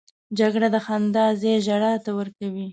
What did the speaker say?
جګړه د خندا ځای ژړا ته ورکوي